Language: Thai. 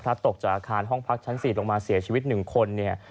ตกจากอาคารห้องพักชั้น๔ลงมาเสียชีวิต๑คนเนี่ย